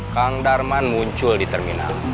kang darman muncul di terminal